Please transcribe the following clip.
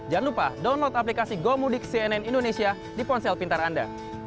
jangan lupa download aplikasi gomudik cnn indonesia di ponsel pintar anda